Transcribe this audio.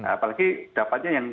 apalagi dapatnya yang